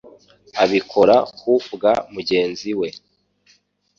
abikora ku bwa mugenzi we.